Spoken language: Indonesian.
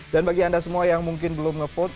dan bagi anda semua yang mungkin belum nge vote